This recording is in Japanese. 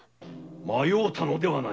迷うたのではない。